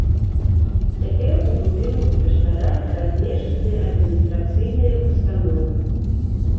Цяпер у будынку кляштара размешчаныя адміністрацыйныя ўстановы.